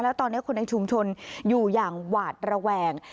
แล้วตอนนี้คนในชุมชนอยู่อย่างหวาดระแวง